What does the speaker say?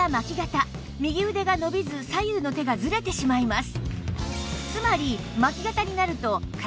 右腕が伸びず左右の手がずれてしまいます